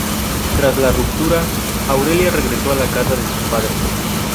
Tras la ruptura, Aurelia regresó a la casa de sus padres.